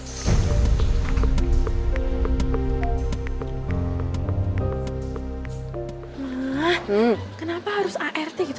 nah kenapa harus art gitu